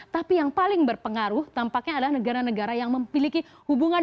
tapi yang paling berpengaruh tampaknya adalah negara negara yang memiliki hubungan